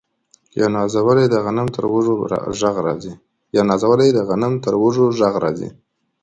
یو نازولی د غنم تر وږو ږغ راځي